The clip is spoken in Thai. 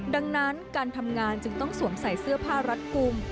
ดังนั้นการทำงานจึงต้องสวมใส่เสื้อผ้ารัดกลุ่ม